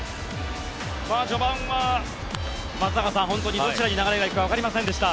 序盤は松坂さんどちらに流れが行くかわかりませんでした。